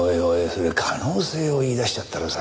そりゃ可能性を言い出しちゃったらさ